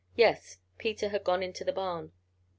Yes, Peter had gone into the barn.